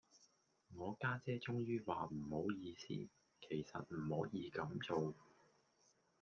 我家姐終於話唔好意思，其實唔可以咁做